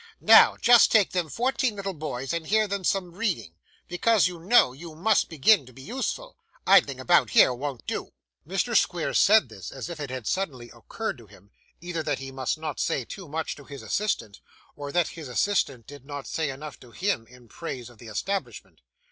'Now, just take them fourteen little boys and hear them some reading, because, you know, you must begin to be useful. Idling about here won't do.' Mr. Squeers said this, as if it had suddenly occurred to him, either that he must not say too much to his assistant, or that his assistant did not say enough to him in praise of the establishment.